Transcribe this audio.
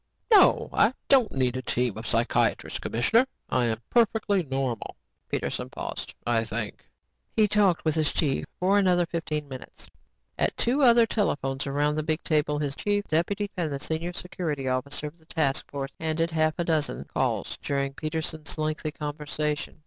No, I don't need a team of psychiatrists, commissioner. I am perfectly normal." Peterson paused. "I think!" He talked with his chief for another fifteen minutes. At two other telephones around the big table, his chief deputy and the senior security officer of the task force handled a half dozen calls during Peterson's lengthy conversation.